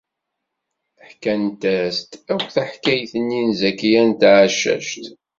Ḥkant-as-d akk taḥkayt-nni i Zakiya n Tɛeccact.